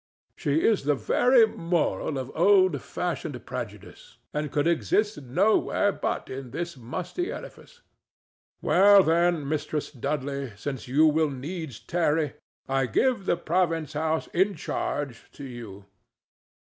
"She is the very moral of old fashioned prejudice, and could exist nowhere but in this musty edifice.—Well, then, Mistress Dudley, since you will needs tarry, I give the province house in charge to you.